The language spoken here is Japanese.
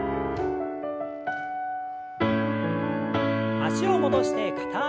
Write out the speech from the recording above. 脚を戻して片脚跳び。